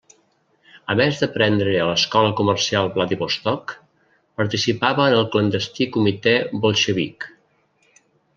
A més d'aprendre a l'Escola Comercial Vladivostok, participava en el clandestí comitè bolxevic.